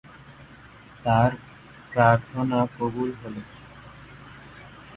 তার প্রার্থনা কবুল হলো।